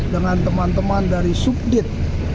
dengan teman teman dari subdit